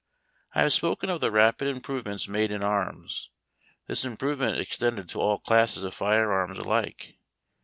I have spoken of the rapid improvements made in arms. This improvement extended to all classes of fire arms alike.